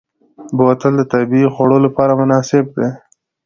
بوتل د طبعي خوړ لپاره مناسب دی.